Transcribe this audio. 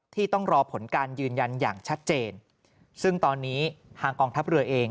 ต้องรอผลการยืนยันอย่างชัดเจนซึ่งตอนนี้ทางกองทัพเรือเอง